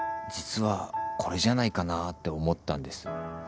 実はこれじゃないかなって思ったんです。